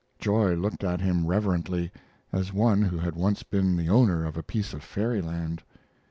Joy looked at him reverently, as one who had once been the owner of a piece of fairyland.